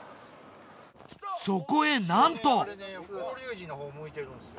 そこへなんと。